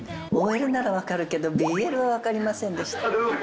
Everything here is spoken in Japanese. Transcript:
ＯＬなら分かるけど、ＢＬは分かりませんでした。